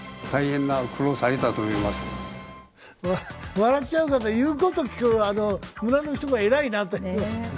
笑っちゃうのが、言うことを聞く村の人がえらいなと。